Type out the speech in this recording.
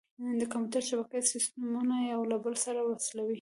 د کمپیوټر شبکه سیسټمونه یو له بل سره وصلوي.